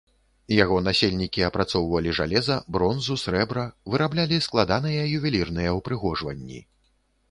Яго насельнікі апрацоўвалі жалеза, бронзу, срэбра, выраблялі складаныя ювелірныя ўпрыгожванні.